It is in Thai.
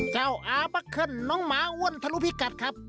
อาบัคเคิลน้องหมาอ้วนทะลุพิกัดครับ